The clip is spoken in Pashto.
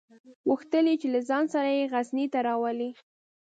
غوښتل یې چې له ځان سره یې غزني ته راولي.